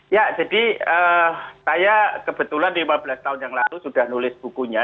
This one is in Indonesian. ya jadi saya kebetulan lima belas tahun yang lalu sudah nulis bukunya